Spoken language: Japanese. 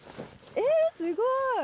えっすごい。